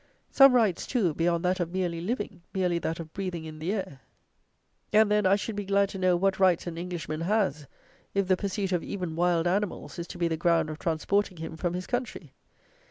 Some rights, too, beyond that of merely living, merely that of breathing the air. And then, I should be glad to know, what rights an Englishman has, if the pursuit of even wild animals is to be the ground of transporting him from his country?